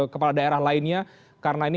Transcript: kepala daerah lainnya karena ini